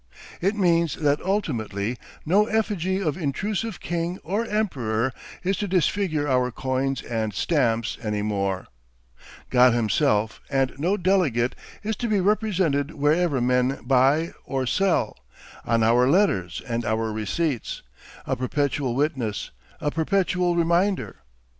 It means that ultimately no effigy of intrusive king or emperor is to disfigure our coins and stamps any more; God himself and no delegate is to be represented wherever men buy or sell, on our letters and our receipts, a perpetual witness, a perpetual reminder.